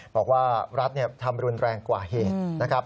บอกว่ารัฐทำรุนแรงกว่าเหตุนะครับ